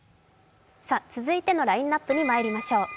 続いてのラインナップにまいりましょう。